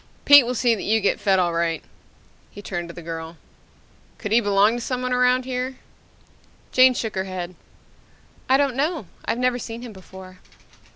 "Pete will see that you get fed all right." He turned to the girl. "Could he belong to someone around here?" Jane shook her head. "I don't know. I've never seen him before."